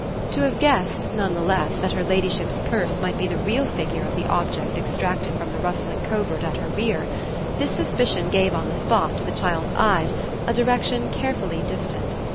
To have guessed, none the less, that her ladyship's purse might be the real figure of the object extracted from the rustling covert at her rear this suspicion gave on the spot to the child's eyes a direction carefully distant.